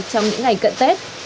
trong những ngày cận tết